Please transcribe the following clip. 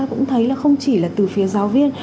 cũng thấy là không chỉ là từ phía giáo viên